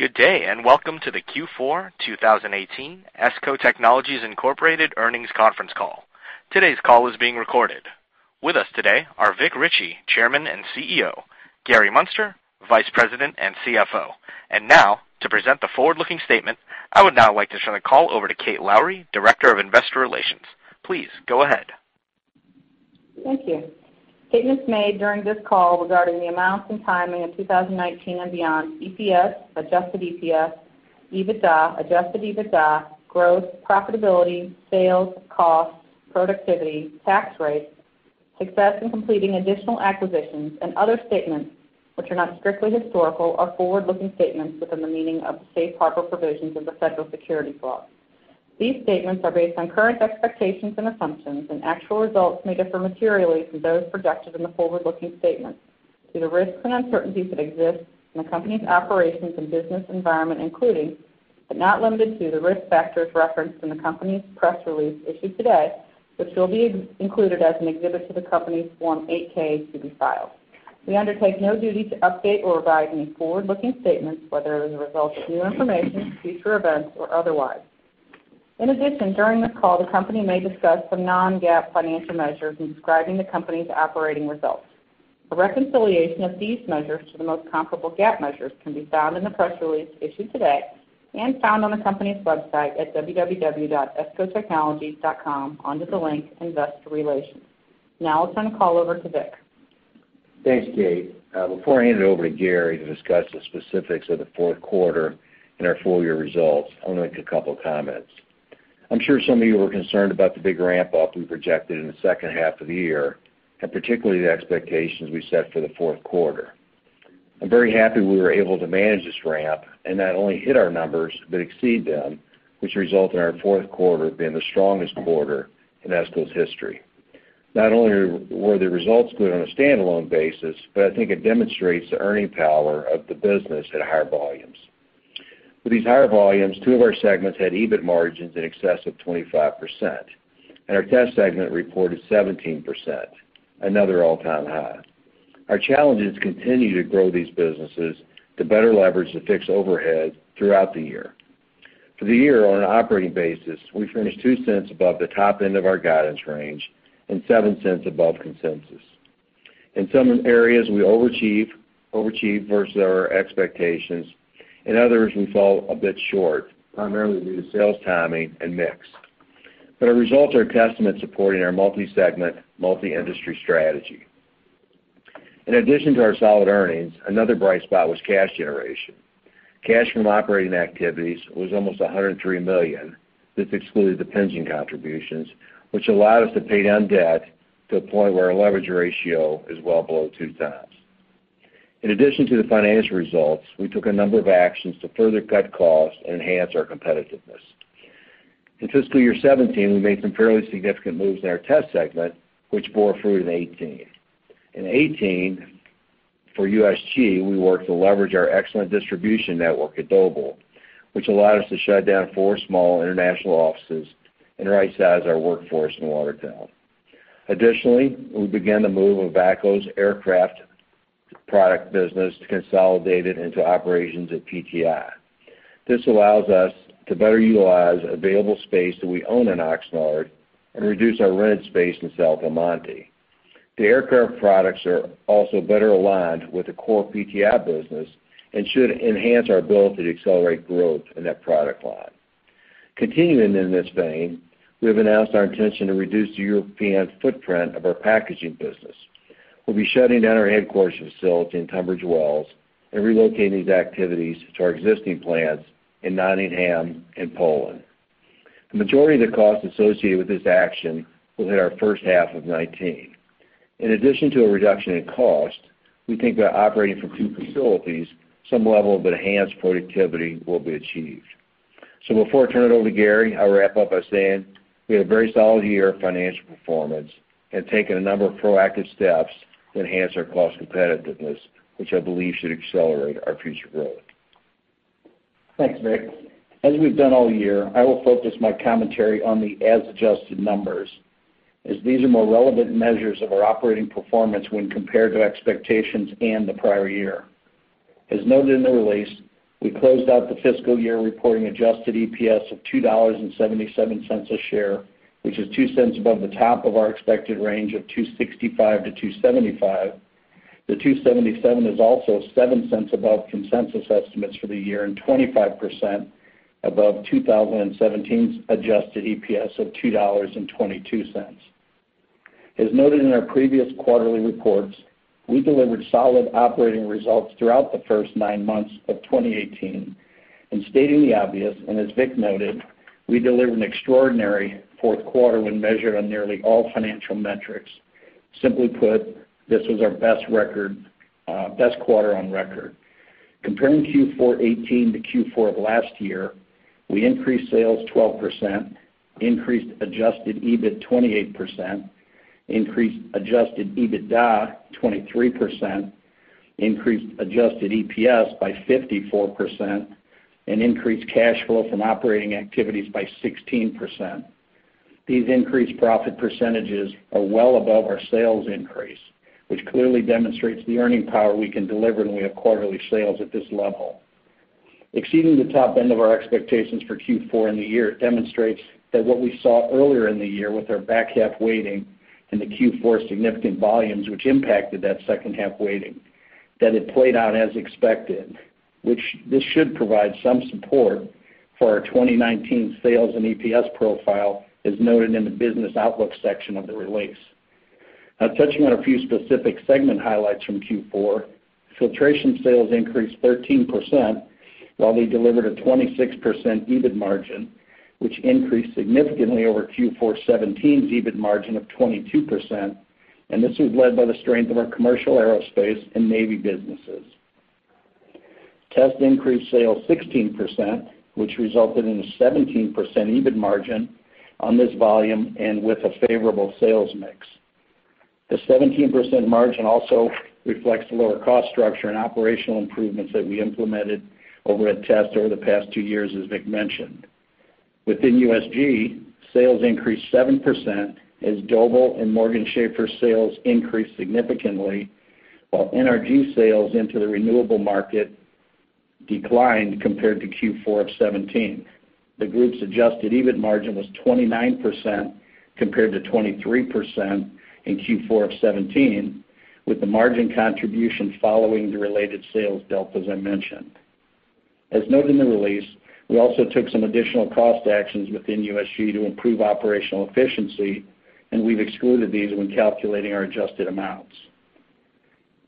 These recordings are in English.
Good day and welcome to the Q4 2018 ESCO Technologies Incorporated earnings conference call. Today's call is being recorded. With us today are Vic Richey, Chairman and CEO, Gary Muenster, Vice President and CFO, and now, to present the forward-looking statement, I would now like to turn the call over to Kate Lowrey, Director of Investor Relations. Please go ahead. Thank you. Statements made during this call regarding the amounts and timing of 2019 and beyond: EPS, Adjusted EPS, EBITDA, Adjusted EBITDA, growth, profitability, sales, costs, productivity, tax rates, success in completing additional acquisitions, and other statements which are not strictly historical or forward-looking statements within the meaning of the safe harbor provisions of the Federal Securities Law. These statements are based on current expectations and assumptions, and actual results may differ materially from those projected in the forward-looking statements, due to risks and uncertainties that exist in the company's operations and business environment, including, but not limited to, the risk factors referenced in the company's press release issued today, which will be included as an exhibit to the company's Form 8-K to be filed. We undertake no duty to update or revise any forward-looking statements, whether as a result of new information, future events, or otherwise. In addition, during this call, the company may discuss some non-GAAP financial measures in describing the company's operating results. A reconciliation of these measures to the most comparable GAAP measures can be found in the press release issued today and found on the company's website at www.escotechnologies.com under the link Investor Relations. Now I'll turn the call over to Vic. Thanks, Kate. Before I hand it over to Gary to discuss the specifics of the fourth quarter and our full-year results, I'll make a couple of comments. I'm sure some of you were concerned about the big ramp-up we projected in the second half of the year, and particularly the expectations we set for the fourth quarter. I'm very happy we were able to manage this ramp and not only hit our numbers but exceed them, which resulted in our fourth quarter being the strongest quarter in ESCO's history. Not only were the results good on a standalone basis, but I think it demonstrates the earning power of the business at higher volumes. With these higher volumes, two of our segments had EBIT margins in excess of 25%, and our Test segment reported 17%, another all-time high. Our challenges continue to grow these businesses to better leverage the fixed overhead throughout the year. For the year, on an operating basis, we finished $0.02 above the top end of our guidance range and $0.07 above consensus. In some areas, we overachieve versus our expectations, and others we fall a bit short, primarily due to sales timing and mix. But our results are a testament supporting our multi-segment, multi-industry strategy. In addition to our solid earnings, another bright spot was cash generation. Cash from operating activities was almost $103 million, this excluding defined contributions, which allowed us to pay down debt to a point where our leverage ratio is well below 2x. In addition to the financial results, we took a number of actions to further cut costs and enhance our competitiveness. In fiscal year 2017, we made some fairly significant moves in our Test segment, which bore fruit in 2018. In 2018, for USG, we worked to leverage our excellent distribution network at Doble, which allowed us to shut down four small international offices and right-size our workforce in Watertown. Additionally, we began the move of VACCO's aircraft product business to consolidate it into operations at PTI. This allows us to better utilize available space that we own in Oxnard and reduce our rented space in South El Monte. The aircraft products are also better aligned with the core PTI business and should enhance our ability to accelerate growth in that product line. Continuing in this vein, we have announced our intention to reduce the European footprint of our packaging business. We'll be shutting down our headquarters facility in Tunbridge Wells and relocating these activities to our existing plants in Nottingham and Poland. The majority of the costs associated with this action will hit our first half of 2019. In addition to a reduction in cost, we think by operating from two facilities, some level of enhanced productivity will be achieved. So before I turn it over to Gary, I'll wrap up by saying we had a very solid year of financial performance and taken a number of proactive steps to enhance our cost competitiveness, which I believe should accelerate our future growth. Thanks, Vic. As we've done all year, I will focus my commentary on the as-adjusted numbers, as these are more relevant measures of our operating performance when compared to expectations and the prior year. As noted in the release, we closed out the fiscal year reporting Adjusted EPS of $2.77 a share, which is $0.02 above the top of our expected range of $2.65-$2.75. The $2.77 is also $0.07 above consensus estimates for the year and 25% above 2017's Adjusted EPS of $2.22. As noted in our previous quarterly reports, we delivered solid operating results throughout the first nine months of 2018, and stating the obvious, and as Vic noted, we delivered an extraordinary fourth quarter when measured on nearly all financial metrics. Simply put, this was our best quarter on record. Comparing Q4 2018 to Q4 of last year, we increased sales 12%, increased Adjusted EBIT 28%, increased Adjusted EBITDA 23%, increased Adjusted EPS by 54%, and increased cash flow from operating activities by 16%. These increased profit percentages are well above our sales increase, which clearly demonstrates the earning power we can deliver when we have quarterly sales at this level. Exceeding the top end of our expectations for Q4 in the year demonstrates that what we saw earlier in the year with our back half weighting and the Q4 significant volumes, which impacted that second half weighting, that it played out as expected, which this should provide some support for our 2019 sales and EPS profile, as noted in the business outlook section of the release. Now, touching on a few specific segment highlights from Q4, Filtration sales increased 13% while they delivered a 26% EBIT margin, which increased significantly over Q4 2017's EBIT margin of 22%, and this was led by the strength of our commercial aerospace and navy businesses. Test increased sales 16%, which resulted in a 17% EBIT margin on this volume and with a favorable sales mix. The 17% margin also reflects the lower cost structure and operational improvements that we implemented over at Test over the past two years, as Vic mentioned. Within USG, sales increased 7% as Doble and Morgan Schaffer sales increased significantly, while NRG sales into the renewable market declined compared to Q4 of 2017. The group's Adjusted EBIT margin was 29% compared to 23% in Q4 of 2017, with the margin contribution following the related sales delta, as I mentioned. As noted in the release, we also took some additional cost actions within USG to improve operational efficiency, and we've excluded these when calculating our adjusted amounts.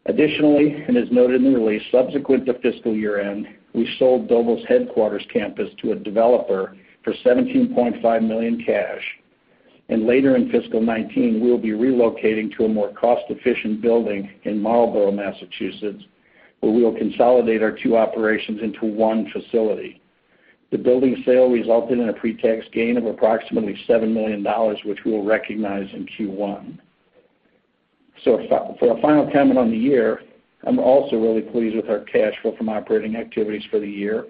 Additionally, and as noted in the release, subsequent to fiscal year-end, we sold Doble's headquarters campus to a developer for $17.5 million cash, and later in fiscal 2019, we will be relocating to a more cost-efficient building in Marlborough, Massachusetts, where we will consolidate our two operations into one facility. The building sale resulted in a pretax gain of approximately $7 million, which we will recognize in Q1. So for a final comment on the year, I'm also really pleased with our cash flow from operating activities for the year.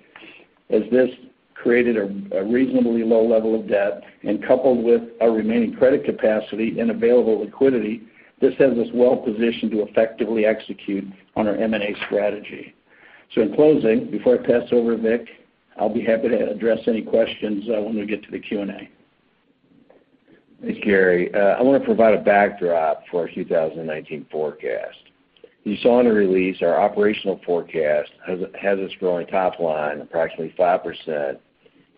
As this created a reasonably low level of debt and coupled with our remaining credit capacity and available liquidity, this has us well positioned to effectively execute on our M&A strategy. So in closing, before I pass over to Vic, I'll be happy to address any questions when we get to the Q&A. Thanks, Gary. I want to provide a backdrop for our 2019 forecast. As you saw in the release, our operational forecast has us growing top line approximately 5%,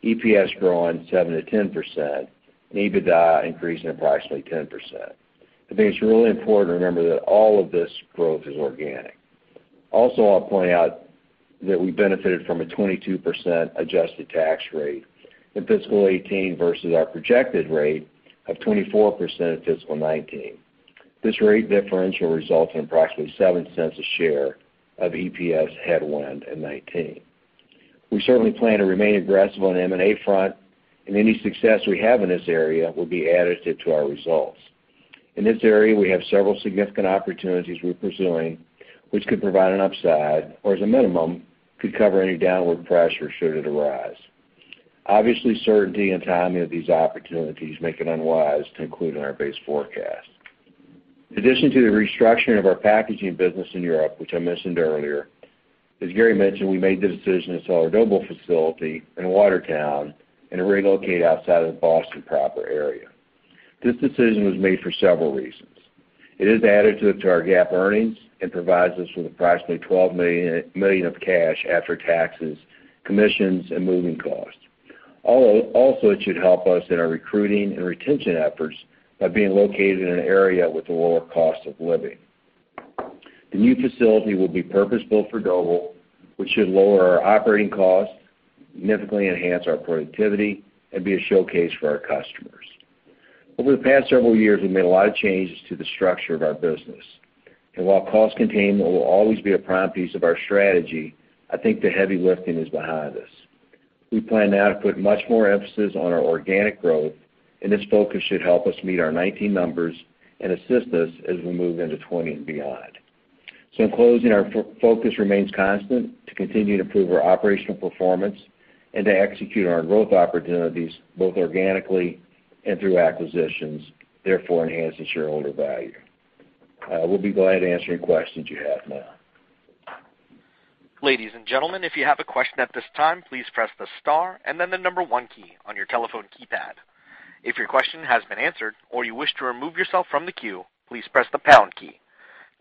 EPS growing 7%-10%, and EBITDA increasing approximately 10%. I think it's really important to remember that all of this growth is organic. Also, I'll point out that we benefited from a 22% adjusted tax rate in fiscal 2018 versus our projected rate of 24% in fiscal 2019. This rate differential resulted in approximately $0.07 a share of EPS headwind in 2019. We certainly plan to remain aggressive on the M&A front, and any success we have in this area will be additive to our results. In this area, we have several significant opportunities we're pursuing, which could provide an upside or, as a minimum, could cover any downward pressure should it arise. Obviously, certainty and timing of these opportunities make it unwise to include in our base forecast. In addition to the restructuring of our packaging business in Europe, which I mentioned earlier, as Gary mentioned, we made the decision to sell our Doble facility in Watertown and relocate outside of the Boston proper area. This decision was made for several reasons. It is additive to our GAAP earnings and provides us with approximately $12 million of cash after taxes, commissions, and moving costs. Also, it should help us in our recruiting and retention efforts by being located in an area with a lower cost of living. The new facility will be purpose-built for Doble, which should lower our operating costs, significantly enhance our productivity, and be a showcase for our customers. Over the past several years, we've made a lot of changes to the structure of our business, and while cost containment will always be a prime piece of our strategy, I think the heavy lifting is behind us. We plan now to put much more emphasis on our organic growth, and this focus should help us meet our 2019 numbers and assist us as we move into 2020 and beyond. So in closing, our focus remains constant to continue to improve our operational performance and to execute on our growth opportunities both organically and through acquisitions, therefore enhancing shareholder value. We'll be glad to answer any questions you have now. Ladies and gentlemen, if you have a question at this time, please press the star and then the number one key on your telephone keypad. If your question has been answered or you wish to remove yourself from the queue, please press the pound key.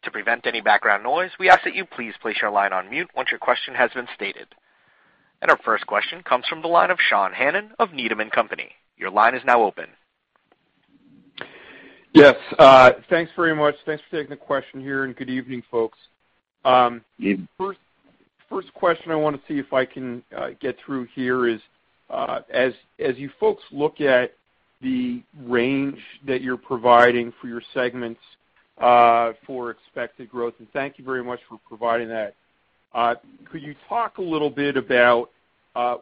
To prevent any background noise, we ask that you please place your line on mute once your question has been stated. Our first question comes from the line of Sean Hannan of Needham & Company. Your line is now open. Yes. Thanks very much. Thanks for taking the question here, and good evening, folks. First question I want to see if I can get through here is, as you folks look at the range that you're providing for your segments for expected growth, and thank you very much for providing that, could you talk a little bit about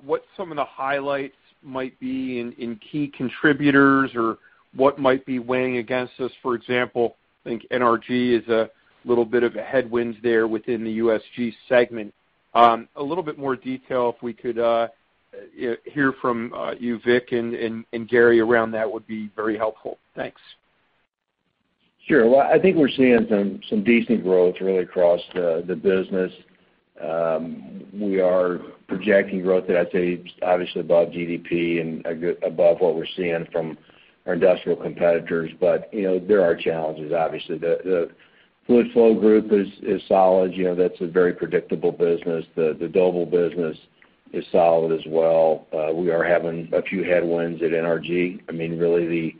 what some of the highlights might be in key contributors or what might be weighing against us? For example, I think NRG is a little bit of a headwind there within the USG segment. A little bit more detail, if we could hear from you, Vic, and Gary around that would be very helpful. Thanks. Sure. Well, I think we're seeing some decent growth really across the business. We are projecting growth that I'd say is obviously above GDP and above what we're seeing from our industrial competitors, but there are challenges, obviously. The Fluid Flow Group is solid. That's a very predictable business. The Doble business is solid as well. We are having a few headwinds at NRG. I mean, really,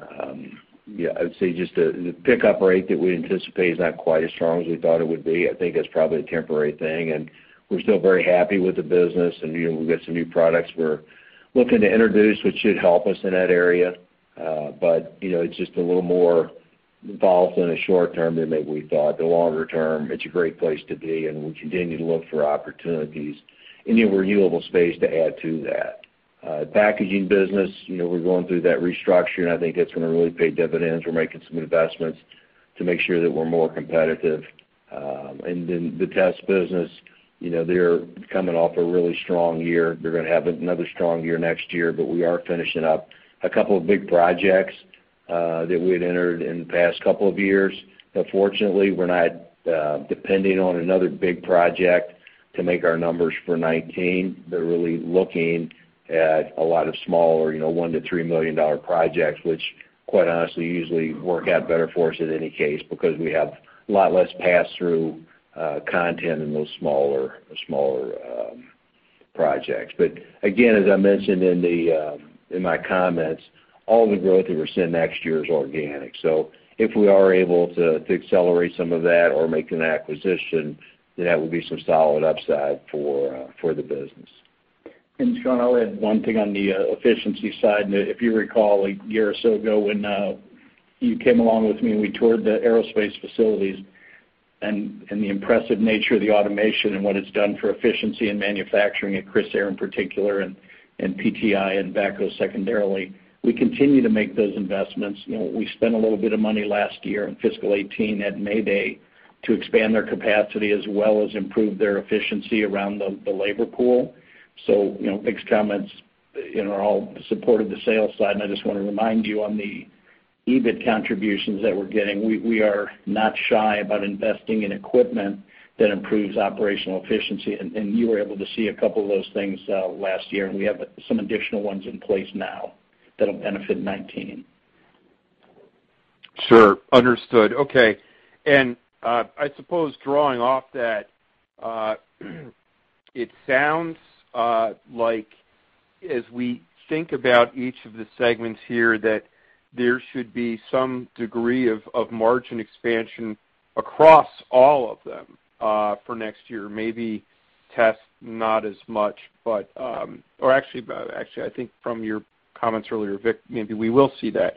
I would say just the pickup rate that we anticipate is not quite as strong as we thought it would be. I think that's probably a temporary thing, and we're still very happy with the business, and we've got some new products we're looking to introduce, which should help us in that area. But it's just a little more involved in the short term than maybe we thought. The longer term, it's a great place to be, and we continue to look for opportunities in the renewable space to add to that. The packaging business, we're going through that restructure, and I think that's going to really pay dividends. We're making some investments to make sure that we're more competitive. And then the Test business, they're coming off a really strong year. They're going to have another strong year next year, but we are finishing up a couple of big projects that we had entered in the past couple of years. Unfortunately, we're not depending on another big project to make our numbers for 2019. They're really looking at a lot of smaller $1 million-$3 million projects, which, quite honestly, usually work out better for us in any case because we have a lot less pass-through content in those smaller projects. Again, as I mentioned in my comments, all the growth that we're seeing next year is organic. If we are able to accelerate some of that or make an acquisition, then that would be some solid upside for the business. And Sean, I'll add one thing on the efficiency side. If you recall, a year or so ago when you came along with me and we toured the aerospace facilities and the impressive nature of the automation and what it's done for efficiency in manufacturing at Crissair in particular and PTI and VACCO secondarily, we continue to make those investments. We spent a little bit of money last year in fiscal 2018 at Mayday to expand their capacity as well as improve their efficiency around the labor pool. So Vic's comments are all supportive of the sales side, and I just want to remind you on the EBIT contributions that we're getting. We are not shy about investing in equipment that improves operational efficiency, and you were able to see a couple of those things last year, and we have some additional ones in place now that'll benefit 2019. Sure. Understood. Okay. And I suppose, drawing off that, it sounds like, as we think about each of the segments here, that there should be some degree of margin expansion across all of them for next year. Maybe Test, not as much, but—or actually, I think from your comments earlier, Vic, maybe we will see that.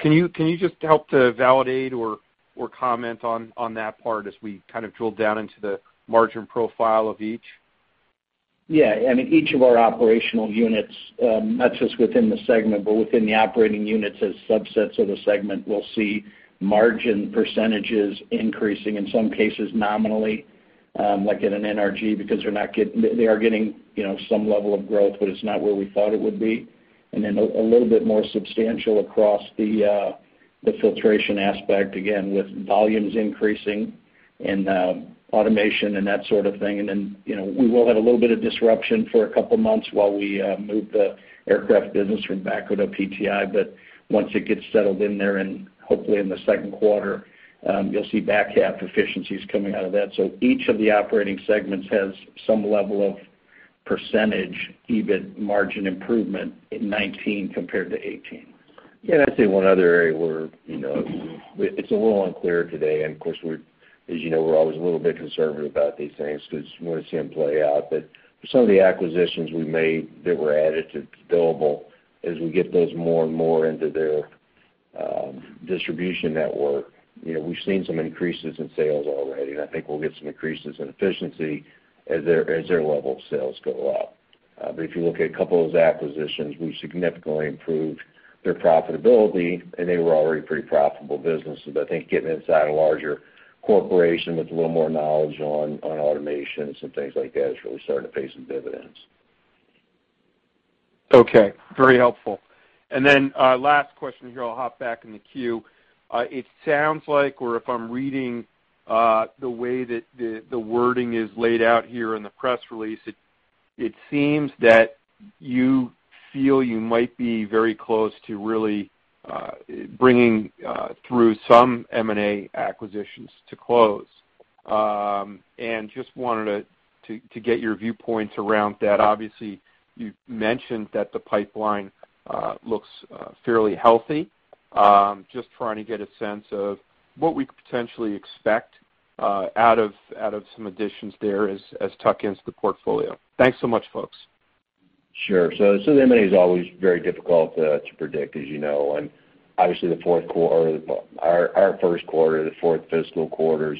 Can you just help to validate or comment on that part as we kind of drill down into the margin profile of each? Yeah. I mean, each of our operational units, not just within the segment but within the operating units as subsets of the segment, we'll see margin percentages increasing, in some cases nominally, like in an NRG, because they are getting some level of growth, but it's not where we thought it would be. And then a little bit more substantial across the filtration aspect, again, with volumes increasing and automation and that sort of thing. And then we will have a little bit of disruption for a couple of months while we move the aircraft business from VACCO to PTI, but once it gets settled in there and hopefully in the second quarter, you'll see back half efficiencies coming out of that. So each of the operating segments has some level of percentage EBIT margin improvement in 2019 compared to 2018. Yeah. And I'd say one other area where it's a little unclear today, and of course, as you know, we're always a little bit conservative about these things because we want to see them play out, but for some of the acquisitions we made that were added to Doble, as we get those more and more into their distribution network, we've seen some increases in sales already, and I think we'll get some increases in efficiency as their level of sales go up. But if you look at a couple of those acquisitions, we've significantly improved their profitability, and they were already a pretty profitable business. So I think getting inside a larger corporation with a little more knowledge on automations and things like that is really starting to pay some dividends. Okay. Very helpful. And then last question here, I'll hop back in the queue. It sounds like, or if I'm reading the way that the wording is laid out here in the press release, it seems that you feel you might be very close to really bringing through some M&A acquisitions to close. And just wanted to get your viewpoints around that. Obviously, you've mentioned that the pipeline looks fairly healthy. Just trying to get a sense of what we could potentially expect out of some additions there as it augments the portfolio. Thanks so much, folks. Sure. So the M&A is always very difficult to predict, as you know, and obviously, the fourth quarter or our first quarter, the fourth fiscal quarters,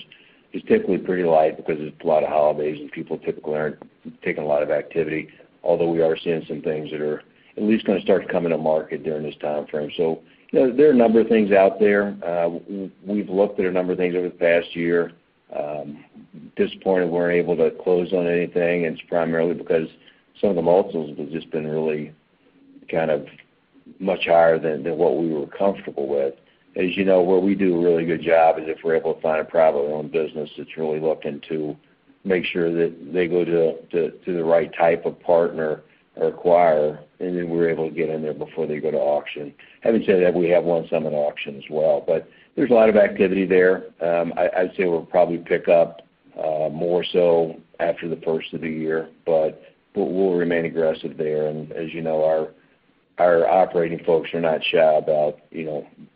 is typically pretty light because it's a lot of holidays and people typically aren't taking a lot of activity, although we are seeing some things that are at least going to start to come into market during this time frame. So there are a number of things out there. We've looked at a number of things over the past year. At this point, we weren't able to close on anything, and it's primarily because some of the multiples have just been really kind of much higher than what we were comfortable with. As you know, where we do a really good job is if we're able to find a properly owned business that's really looking to make sure that they go to the right type of partner or acquirer, and then we're able to get in there before they go to auction. Having said that, we have won some at auction as well, but there's a lot of activity there. I'd say we'll probably pick up more so after the first of the year, but we'll remain aggressive there. And as you know, our operating folks are not shy about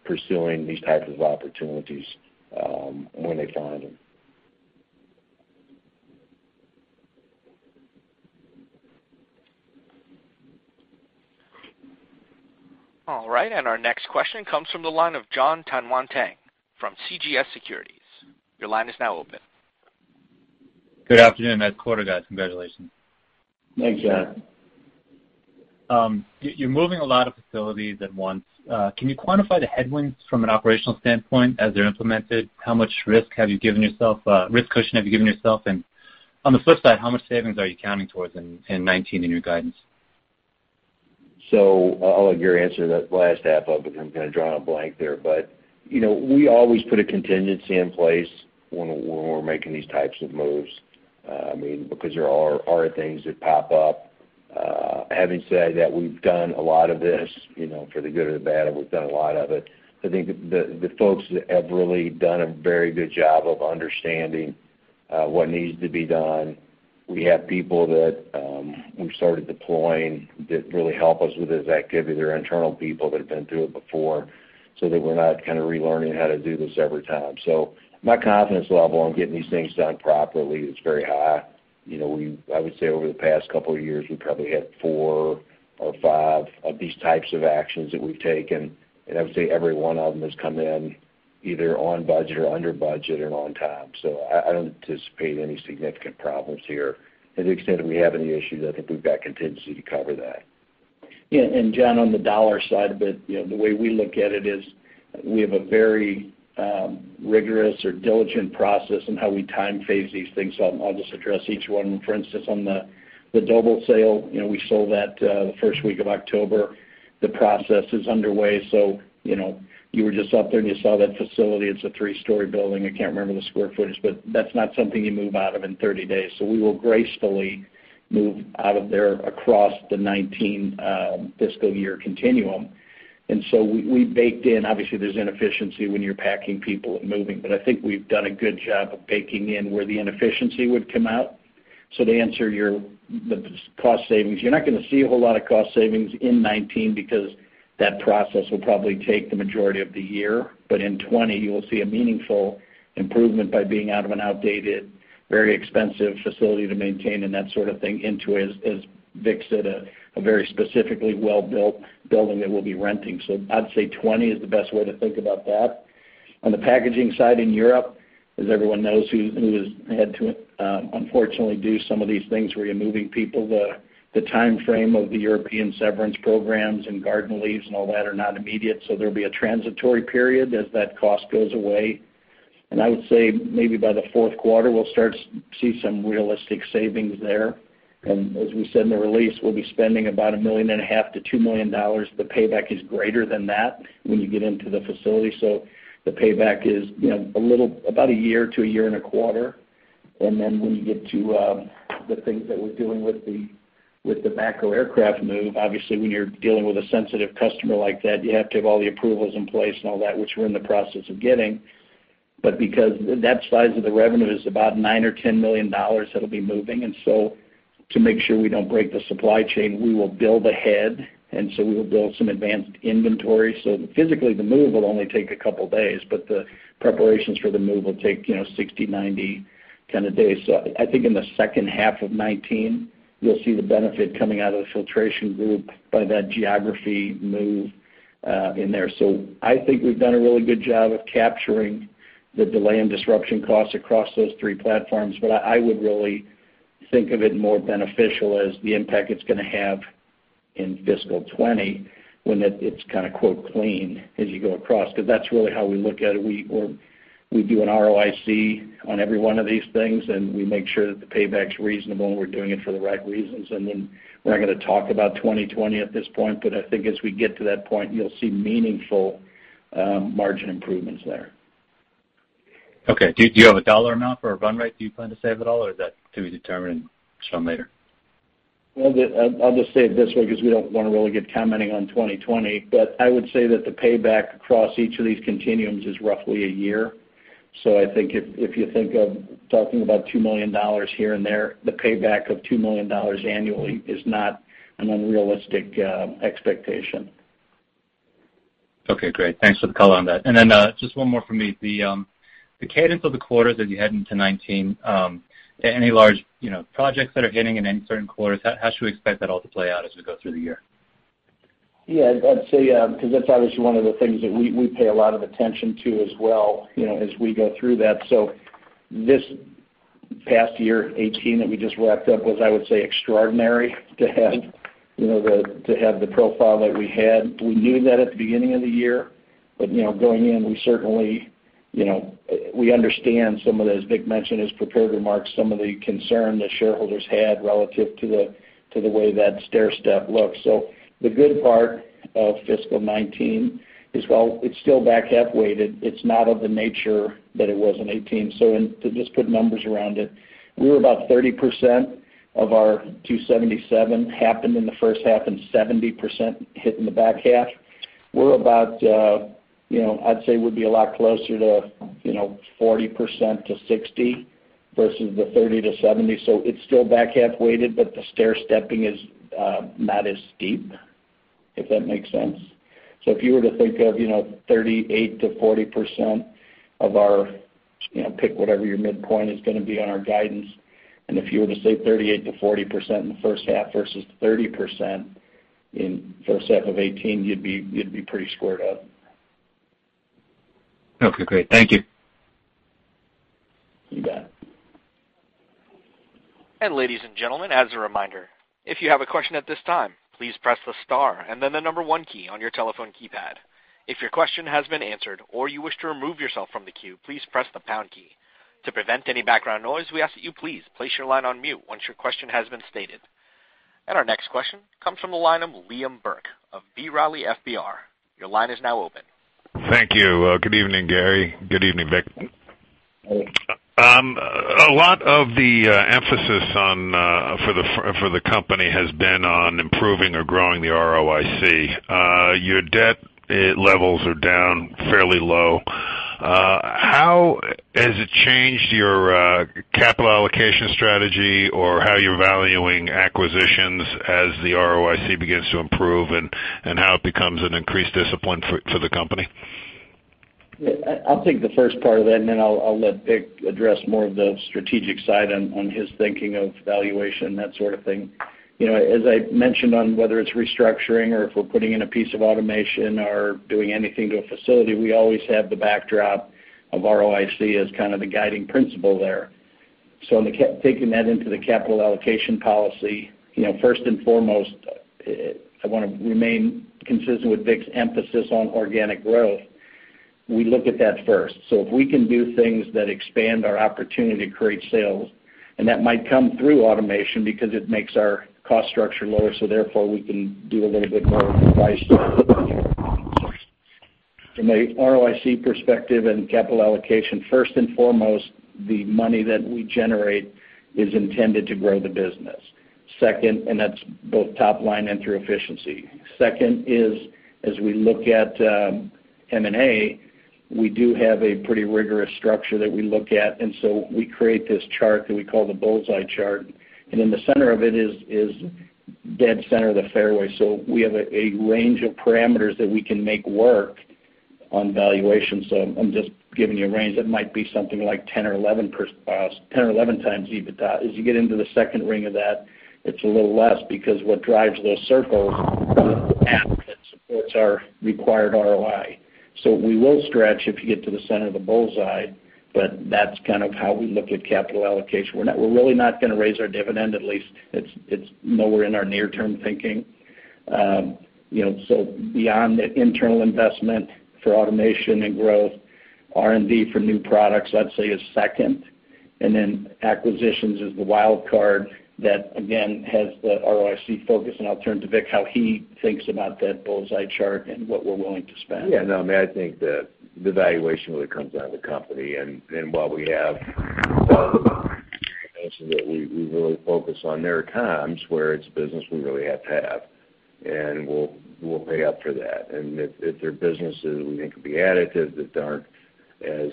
pursuing these types of opportunities when they find them. All right. And our next question comes from the line of Jon Tanwanteng from CJS Securities. Your line is now open. Good afternoon. Great quarter, guys. Congratulations. Thanks, Jon. You're moving a lot of facilities at once. Can you quantify the headwinds from an operational standpoint as they're implemented? How much risk cushion have you given yourself? And on the flip side, how much savings are you counting towards in 2019 in your guidance? So I'll let you answer that last half up because I'm kind of drawing a blank there, but we always put a contingency in place when we're making these types of moves, I mean, because there are things that pop up. Having said that, we've done a lot of this for the good or the bad, and we've done a lot of it. I think the folks that have really done a very good job of understanding what needs to be done. We have people that we've started deploying that really help us with this activity. They're internal people that have been through it before so that we're not kind of relearning how to do this every time. So my confidence level on getting these things done properly is very high. I would say over the past couple of years, we probably had four or five of these types of actions that we've taken, and I would say every one of them has come in either on budget or under budget and on time. I don't anticipate any significant problems here. To the extent that we have any issues, I think we've got contingency to cover that. Yeah. And Jon, on the dollar side of it, the way we look at it is we have a very rigorous or diligent process in how we time phase these things, so I'll just address each one. For instance, on the Doble sale, we sold that the first week of October. The process is underway. So you were just up there and you saw that facility. It's a three-story building. I can't remember the square footage, but that's not something you move out of in 30 days. So we will gracefully move out of there across the 2019 fiscal year continuum. And so we baked in obviously, there's inefficiency when you're packing people and moving, but I think we've done a good job of baking in where the inefficiency would come out. So to answer the cost savings, you're not going to see a whole lot of cost savings in 2019 because that process will probably take the majority of the year, but in 2020, you will see a meaningful improvement by being out of an outdated, very expensive facility to maintain and that sort of thing into, as Vic said, a very specifically well-built building that we'll be renting. So I'd say 2020 is the best way to think about that. On the packaging side in Europe, as everyone knows who has had to, unfortunately, do some of these things where you're moving people, the time frame of the European severance programs and garden leave and all that are not immediate, so there'll be a transitory period as that cost goes away. And I would say maybe by the fourth quarter, we'll start to see some realistic savings there. As we said in the release, we'll be spending about $1.5 million-$2 million. The payback is greater than that when you get into the facility. The payback is about a year to a year and a quarter. And then when you get to the things that we're doing with the VACCO aircraft move, obviously, when you're dealing with a sensitive customer like that, you have to have all the approvals in place and all that, which we're in the process of getting. But because that size of the revenue is about $9 million or $10 million that'll be moving, and so to make sure we don't break the supply chain, we will build ahead, and so we will build some advanced inventory. So physically, the move will only take a couple of days, but the preparations for the move will take 60-90 kind of days. So I think in the second half of 2019, you'll see the benefit coming out of the Filtration group by that geography move in there. So I think we've done a really good job of capturing the delay and disruption costs across those three platforms, but I would really think of it more beneficial as the impact it's going to have in fiscal 2020 when it's kind of "clean" as you go across because that's really how we look at it. We do an ROIC on every one of these things, and we make sure that the payback's reasonable and we're doing it for the right reasons. And then we're not going to talk about 2020 at this point, but I think as we get to that point, you'll see meaningful margin improvements there. Okay. Do you have a dollar amount for a run rate? Do you plan to save it all, or is that to be determined and shown later? Well, I'll just say it this way because we don't want to really get commenting on 2020, but I would say that the payback across each of these continuums is roughly a year. I think if you think of talking about $2 million here and there, the payback of $2 million annually is not an unrealistic expectation. Okay. Great. Thanks for the color on that. And then just one more from me. The cadence of the quarters as you head into 2019, any large projects that are hitting in any certain quarters, how should we expect that all to play out as we go through the year? Yeah. I'd say because that's obviously one of the things that we pay a lot of attention to as well as we go through that. So this past year, 2018, that we just wrapped up was, I would say, extraordinary to have the profile that we had. We knew that at the beginning of the year, but going in, we certainly we understand some of those, Vic mentioned his prepared remarks, some of the concern the shareholders had relative to the way that stair step looked. So the good part of fiscal 2019 is, well, it's still back half weighted. It's not of the nature that it was in 2018. So to just put numbers around it, we were about 30% of our $277 happened in the first half and 70% hit in the back half. We're about, I'd say, would be a lot closer to 40%-60% versus the 30%-70%. So it's still back half weighted, but the stair stepping is not as steep, if that makes sense. So if you were to think of 38%-40% of our pick whatever your midpoint is going to be on our guidance, and if you were to say 38%-40% in the first half versus 30% in first half of 2018, you'd be pretty squared up. Okay. Great. Thank you. You bet. Ladies and gentlemen, as a reminder, if you have a question at this time, please press the star and then the number one key on your telephone keypad. If your question has been answered or you wish to remove yourself from the queue, please press the pound key. To prevent any background noise, we ask that you please place your line on mute once your question has been stated. Our next question comes from the line of Liam Burke of B. Riley FBR. Your line is now open. Thank you. Good evening, Gary. Good evening, Vic. A lot of the emphasis for the company has been on improving or growing the ROIC. Your debt levels are down fairly low. How has it changed your capital allocation strategy or how you're valuing acquisitions as the ROIC begins to improve and how it becomes an increased discipline for the company? I'll take the first part of that, and then I'll let Vic address more of the strategic side on his thinking of valuation and that sort of thing. As I mentioned on whether it's restructuring or if we're putting in a piece of automation or doing anything to a facility, we always have the backdrop of ROIC as kind of the guiding principle there. So taking that into the capital allocation policy, first and foremost, I want to remain consistent with Vic's emphasis on organic growth. We look at that first. So if we can do things that expand our opportunity to create sales, and that might come through automation because it makes our cost structure lower, so therefore, we can do a little bit more of advice to our customers. From an ROIC perspective and capital allocation, first and foremost, the money that we generate is intended to grow the business. Second, and that's both top line and through efficiency. Second is, as we look at M&A, we do have a pretty rigorous structure that we look at, and so we create this chart that we call the bullseye chart, and in the center of it is dead center of the fairway. So we have a range of parameters that we can make work on valuation. So I'm just giving you a range. It might be something like 10x or 11x EBITDA. As you get into the second ring of that, it's a little less because what drives those circles is the accretion that supports our required ROI. So we will stretch if you get to the center of the bullseye, but that's kind of how we look at capital allocation. We're really not going to raise our dividend, at least nowhere in our near-term thinking. So beyond the internal investment for automation and growth, R&D for new products, I'd say, is second, and then acquisitions is the wild card that, again, has the ROIC focus. And I'll turn to Vic, how he thinks about that bullseye chart and what we're willing to spend. Yeah. No, I mean, I think that the valuation really comes down to the company. While we have some organizations that we really focus on their comps where it's business we really have to have, and we'll pay up for that. If there are businesses that we think could be additive that aren't as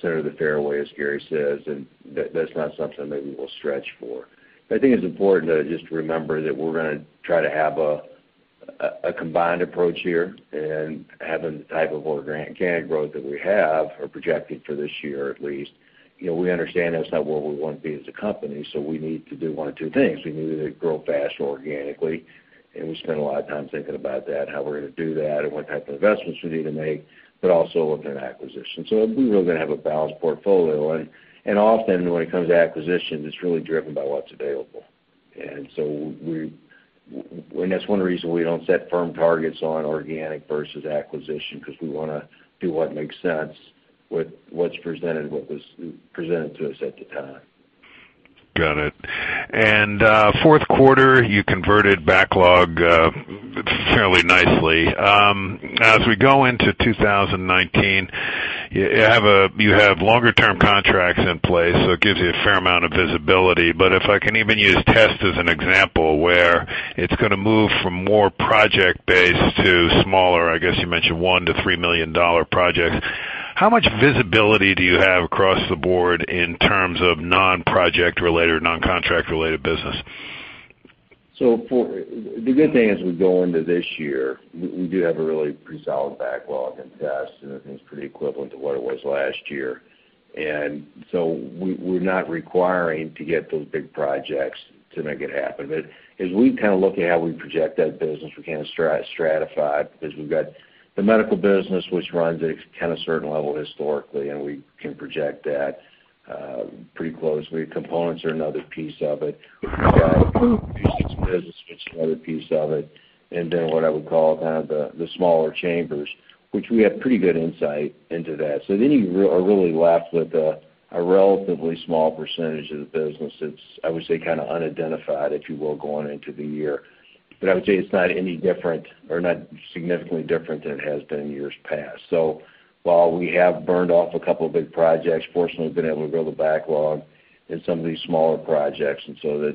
center of the fairway, as Gary says, then that's not something that maybe we'll stretch for. I think it's important to just remember that we're going to try to have a combined approach here and having the type of organic growth that we have or projected for this year, at least. We understand that's not where we want to be as a company, so we need to do one of two things. We need to grow fast organically, and we spend a lot of time thinking about that, how we're going to do that, and what type of investments we need to make, but also looking at acquisitions. So we're really going to have a balanced portfolio. Often, when it comes to acquisitions, it's really driven by what's available. That's one reason we don't set firm targets on organic versus acquisition because we want to do what makes sense with what's presented to us at the time. Got it. And fourth quarter, you converted backlog fairly nicely. As we go into 2019, you have longer-term contracts in place, so it gives you a fair amount of visibility. But if I can even use Test as an example where it's going to move from more project-based to smaller, I guess you mentioned $1 million-$3 million projects, how much visibility do you have across the board in terms of non-project-related or non-contract-related business? So the good thing is we go into this year, we do have a really pretty solid backlog in Test, and everything's pretty equivalent to what it was last year. And so we're not requiring to get those big projects to make it happen. But as we kind of look at how we project that business, we kind of stratify because we've got the medical business, which runs at kind of a certain level historically, and we can project that pretty closely. Components are another piece of it. We've got acoustics business, which is another piece of it. And then what I would call kind of the smaller chambers, which we have pretty good insight into that. So then you are really left with a relatively small percentage of the business that's, I would say, kind of unidentified, if you will, going into the year. But I would say it's not any different or not significantly different than it has been in years past. So while we have burned off a couple of big projects, fortunately, we've been able to grow the backlog in some of these smaller projects, and so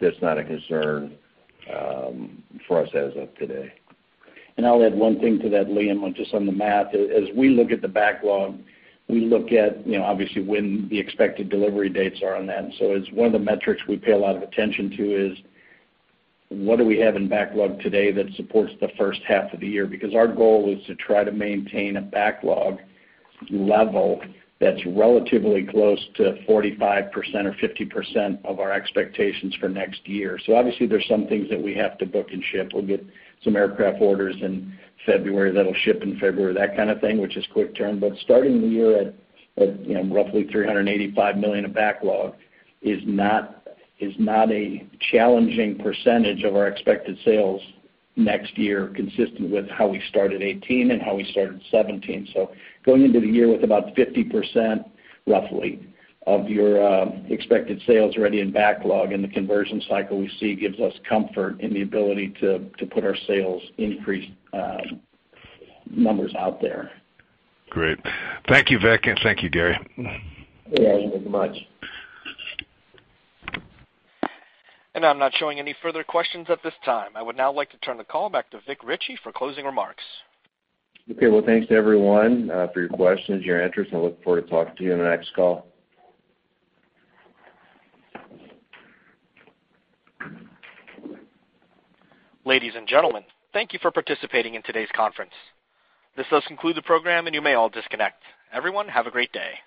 that's not a concern for us as of today. And I'll add one thing to that, Liam, just on the math. As we look at the backlog, we look at, obviously, when the expected delivery dates are on that. And so one of the metrics we pay a lot of attention to is what do we have in backlog today that supports the first half of the year? Because our goal is to try to maintain a backlog level that's relatively close to 45% or 50% of our expectations for next year. So obviously, there's some things that we have to book and ship. We'll get some aircraft orders in February that'll ship in February, that kind of thing, which is quick-turn. But starting the year at roughly $385 million of backlog is not a challenging percentage of our expected sales next year consistent with how we started 2018 and how we started 2017. Going into the year with about 50%, roughly, of your expected sales ready in backlog and the conversion cycle we see gives us comfort in the ability to put our sales increase numbers out there. Great. Thank you, Vic, and thank you, Gary. Thank you very much. I'm not showing any further questions at this time. I would now like to turn the call back to Vic Richey for closing remarks. Okay. Well, thanks to everyone for your questions, your answers, and I look forward to talking to you on the next call. Ladies and gentlemen, thank you for participating in today's conference. This does conclude the program, and you may all disconnect. Everyone, have a great day.